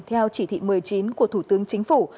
theo chỉ thị một mươi chín của thủ tướng chính phủ